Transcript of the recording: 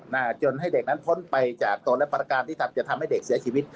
นะจนให้เด็กนั้นพ้นไปจากตัวและประการที่ทำจะทำให้เด็กเสียชีวิต